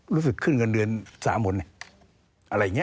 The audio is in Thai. รู้สึกขึ้นเงินเดือนสามหมดอะไรอย่างนี้